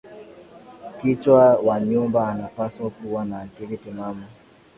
Kichwa wa nyumba anapaswa kuwa na akili timamu